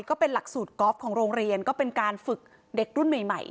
ก็เป็นหลักสูตรกอล์ฟของโรงเรียนก็เป็นการฝึกเด็กรุ่นใหม่